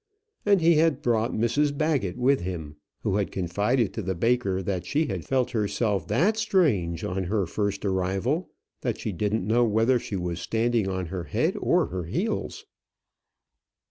And he had brought Mrs Baggett with him, who had confided to the baker that she had felt herself that strange on her first arrival that she didn't know whether she was standing on her head or her heels.